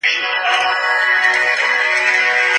د ولي کلمه کارول د مخاطب عزة النفس او اعتماد بالنفس ته ضرر لري.